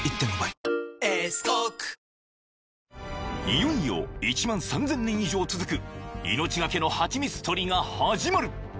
［いよいよ１万３，０００年以上続く命懸けのハチミツ採りが始まる］